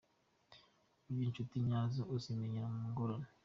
Burya incuti nyazo uzimenyera mu ngorane.